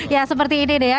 ya seperti ini nih ya